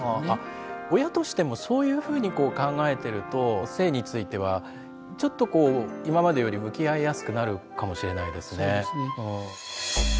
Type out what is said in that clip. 親としてもそういうふうに考えてると性についてはちょっとこう今までより向き合いやすくなるかもしれないですね。